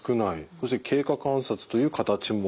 そして経過観察という形もある。